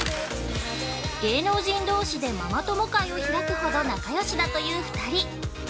芸能人どうしで「ママ友会」を開くほど仲よしだという２人。